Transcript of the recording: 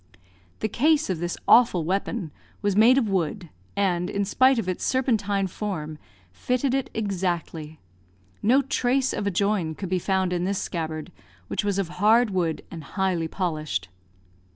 The case of this awful weapon was made of wood, and, in spite of its serpentine form, fitted it exactly. No trace of a join could be found in this scabbard, which was of hard wood, and highly polished.